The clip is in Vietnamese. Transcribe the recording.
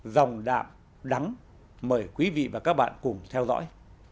dòng đạm đắng mời quý vị và các bạn cùng theo dõi